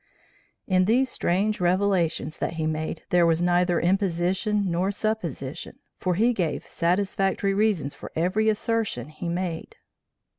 In these strange revelations that he made there was neither imposition nor supposition, for he gave satisfactory reasons for every assertion he made.